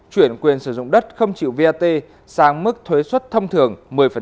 chuyển quyền sử dụng đất không chịu vat sang mức thuế xuất thông thường một mươi